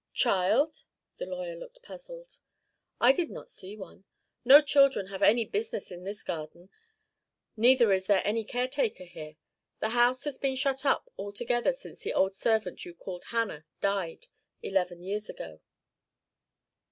'Child!' The lawyer looked puzzled. 'I did not see one. No children have any business in this garden; neither is there any caretaker here. The house has been shut up altogether since the old servant you called Hannah died, eleven years ago.'